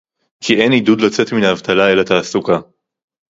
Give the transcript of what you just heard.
כי אין עידוד לצאת מן האבטלה אל התעסוקה